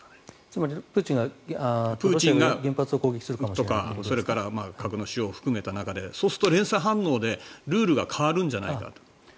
つまりプーチンが原発を攻撃するかもしれないと？とか、それから核の使用を含めた中でそうすると連鎖反応でルールが変わるんじゃないか。